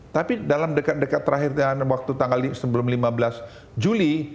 tapi dalam dekat dekat terakhir dengan waktu tanggal sebelum lima belas juli